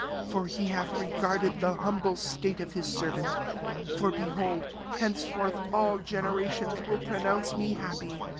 48 For he hath re garded the humble state <f Ms servant: for^ beholdy hence* forth esU generations wiU fm nounee me haftfiy.